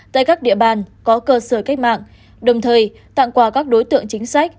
tại các địa bàn có cơ sở cách mạng đồng thời tặng quà các đối tượng chính sách